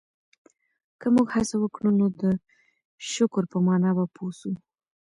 که موږ هڅه وکړو نو د شکر په مانا به پوه سو.